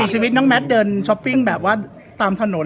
ชีวิตน้องแมทเดินช้อปปิ้งแบบว่าตามถนน